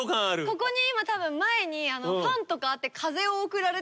ここに今たぶん前にファンとかあって。